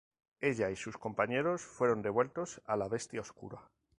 Ella y sus compañeros fueron devueltos a la Bestia Oscura.